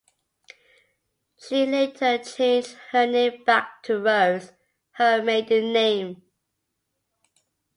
She later changed her name back to "Rhodes", her maiden name.